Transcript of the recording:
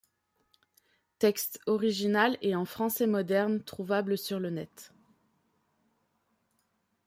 Texte original et en français moderne trouvable sur le net.